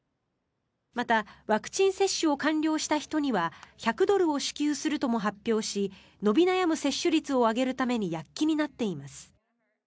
また、ワクチン接種を完了した人には１００ドルを支給するとも発表し伸び悩む接種率を上げるために躍起になっています。